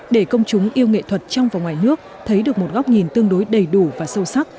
để công chúng yêu nghệ thuật trong và ngoài nước thấy được một góc nhìn tương đối đầy đủ và sâu sắc